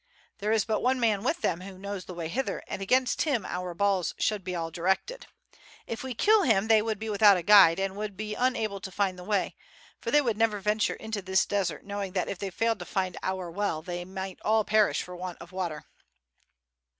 There is but one man with them who knows the way hither, and against him our balls should be all directed. If we kill him they would be without a guide and would be unable to find the way, for they would never venture into this desert knowing that if they failed to find our well they might all perish for want of water."